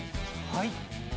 はい。